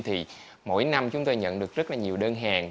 thì mỗi năm chúng tôi nhận được rất là nhiều đơn hàng